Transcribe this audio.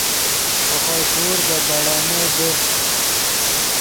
ڤے خوئے پور دے بیڑینے دے